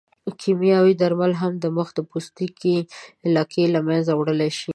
کیمیاوي درمل هم د مخ د پوستکي لکې له منځه وړلی شي.